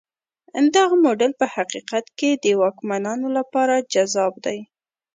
دغه موډل په حقیقت کې د واکمنانو لپاره جذاب دی.